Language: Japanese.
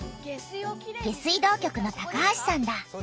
下水道局の橋さんだ。